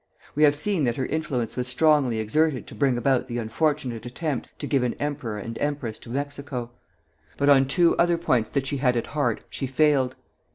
We have seen that her influence was strongly exerted to bring about the unfortunate attempt to give an emperor and empress to Mexico; but on two other points that she had at heart she failed.